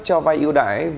cho vai ưu đãi